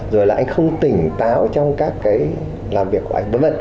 rồi là anh không tỉnh táo trong các cái làm việc của anh v v